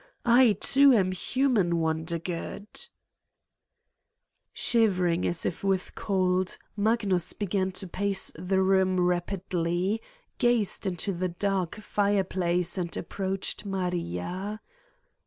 I, too, am human, Wondergood !'' Shivering as if with cold, Magnus began to pace the room rapidly, gazed into the dark fireplace and approached Maria.